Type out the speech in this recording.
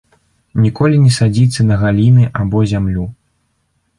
Ніколі не садзіцца на галіны або зямлю.